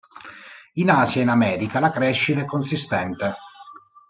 In Asia e in America la crescita è consistente.